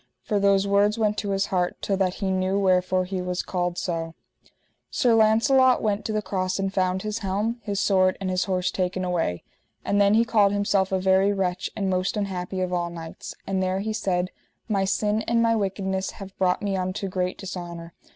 For those words went to his heart, till that he knew wherefore he was called so. Then Sir Launcelot went to the cross and found his helm, his sword, and his horse taken away. And then he called himself a very wretch, and most unhappy of all knights; and there he said: My sin and my wickedness have brought me unto great dishonour.